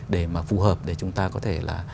để mà phù hợp để chúng ta có thể là